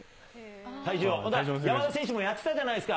山田選手もやってたじゃないですか。